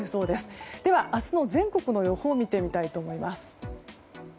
では、明日の全国の予報を見てみたいと思います。